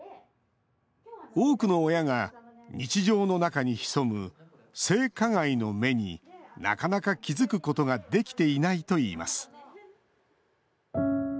多くの親が日常の中に潜む性加害の芽になかなか気付くことができていないといいます。